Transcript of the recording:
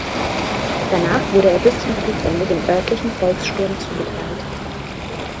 Danach wurde er bis zum Kriegsende dem örtlichen Volkssturm zugeteilt.